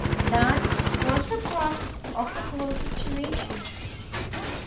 That was the crux of the whole situation.